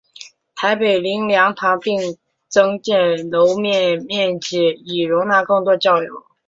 台北灵粮堂并增建楼面面积以容纳更多教友。